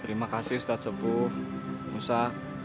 terima kasih ustadz sebut musa